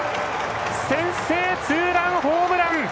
先制ツーランホームラン。